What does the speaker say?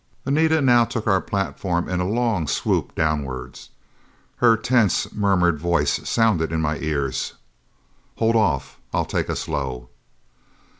Anita now took our platform in a long swoop downward. Her tense, murmured voice sounded in my ears: "Hold off; I'll take us low."